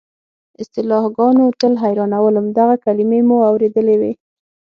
اصطلاحګانو تل حیرانولم، دغه کلیمې مو اورېدلې وې.